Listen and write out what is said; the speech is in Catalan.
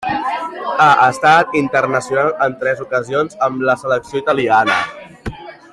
Ha estat internacional en tres ocasions amb la selecció italiana.